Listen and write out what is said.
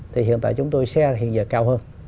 thì hiện tại chúng tôi xe hiện giờ cao hơn